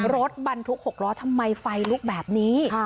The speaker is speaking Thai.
รถบรรทุก๖ล้อทำไมไฟลุกแบบนี้